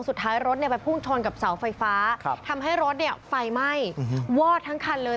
สุดท้ายรถไปพุ่งชนกับเสาไฟฟ้าทำให้รถไฟไหม้วอดทั้งคันเลย